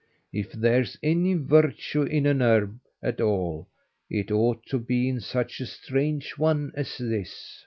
If there's any virtue in an herb at all, it ought to be in such a strange one as this."